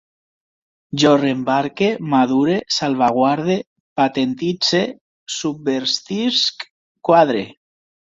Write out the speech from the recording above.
Jo reembarque, madure, salvaguarde, patentitze, subvertisc, quadre